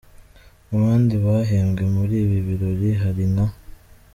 Mu bandi bahembwe muri ibi birori hari nka:.